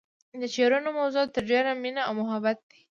د شعرونو موضوع تر ډیره مینه او محبت دی